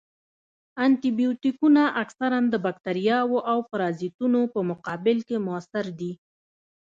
انټي بیوټیکونه اکثراً د باکتریاوو او پرازیتونو په مقابل کې موثر دي.